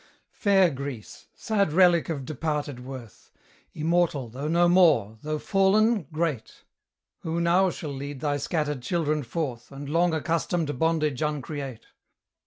Fair Greece! sad relic of departed worth! Immortal, though no more; though fallen, great! Who now shall lead thy scattered children forth, And long accustomed bondage uncreate?